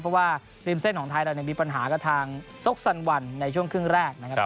เพราะว่าริมเส้นของไทยเรามีปัญหากับทางซกสันวันในช่วงครึ่งแรกนะครับ